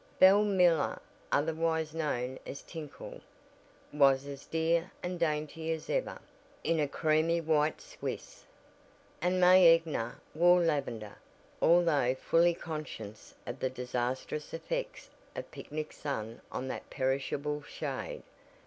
Belle Miller, otherwise known as "Tinkle," was as "dear and dainty" as ever, in a creamy white swiss, and May Egner wore lavender, although fully conscious of the disastrous effects of picnic sun on that perishable shade.